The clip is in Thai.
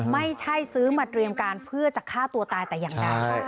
ไม่ใช่ซื้อมาเตรียมการเพื่อจะฆ่าตัวตายแต่อย่างใด